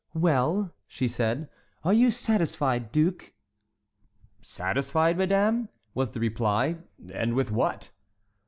"Well," she said, "are you satisfied, duke?" "Satisfied, madame?" was the reply, "and with what?"